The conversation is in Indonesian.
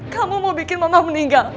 kamu mau bikin mama meninggal